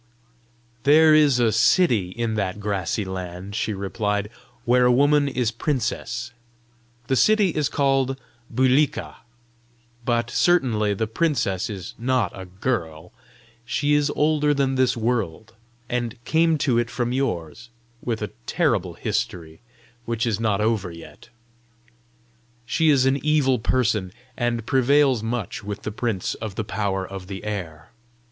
"There is a city in that grassy land," she replied, "where a woman is princess. The city is called Bulika. But certainly the princess is not a girl! She is older than this world, and came to it from yours with a terrible history, which is not over yet. She is an evil person, and prevails much with the Prince of the Power of the Air.